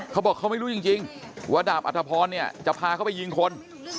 เขาบอกเขาไม่รู้จริงว่าดาบอัธพรเนี่ยจะพาเขาไปยิงคน